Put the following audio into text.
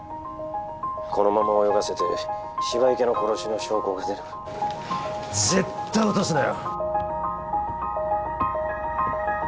☎このまま泳がせて芝池の殺しの証拠が出れば絶対落とすなよ！